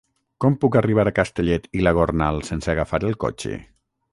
Com puc arribar a Castellet i la Gornal sense agafar el cotxe?